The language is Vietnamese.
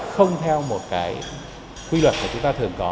không theo một cái quy luật mà chúng ta thường có